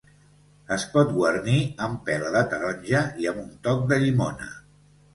Es pot guarnir amb pela de taronja i amb un toc de llimona.